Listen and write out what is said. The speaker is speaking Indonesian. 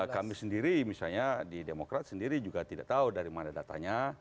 kami sendiri misalnya di demokrat sendiri juga tidak tahu dari mana datanya